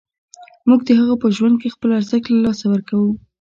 موږ د هغه په ژوند کې خپل ارزښت له لاسه ورکوو.